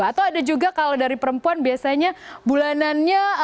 atau ada juga kalau dari perempuan biasanya bulanannya